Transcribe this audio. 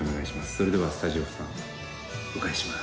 それではスタジオさんお返しします。